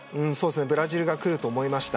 ブラジルがくると思いました。